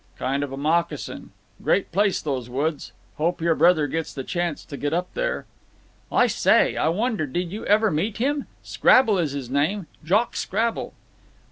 "Kind of a moccasin…. Great place, those woods. Hope your brother gets the chance to get up there." "I say, I wonder did you ever meet him? Scrabble is his name, Jock Scrabble."